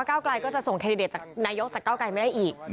เก้าไกลก็จะส่งแคนดิเดตจากนายกจากเก้าไกลไม่ได้อีก